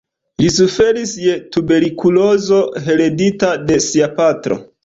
Li suferis je tuberkulozo heredita de sia patro.